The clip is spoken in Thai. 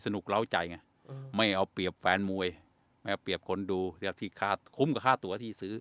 ไม่เอาเปรียบแฟนมวยนะเปรียบคนดูทีคาตคุ้มกับค่าตัวที่ซื้อ